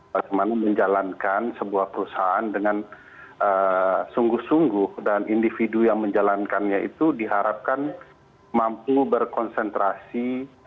bagaimana menjalankan sebuah perusahaan dengan sungguh sungguh dan individu yang menjalankannya itu diharapkan mampu berkonsentrasi